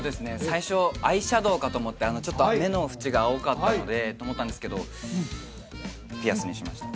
最初アイシャドーかと思ってちょっと目の縁が青かったのでと思ったんですけどピアスにしました